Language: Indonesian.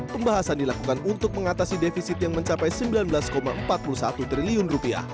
pembahasan dilakukan untuk mengatasi defisit yang mencapai rp sembilan belas empat puluh satu triliun